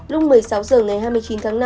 lúc một mươi sáu h ngày hai mươi chín tháng năm